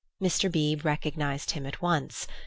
Mr. Beebe recognized him at once.